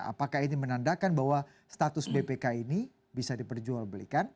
apakah ini menandakan bahwa status bpk ini bisa diperjualbelikan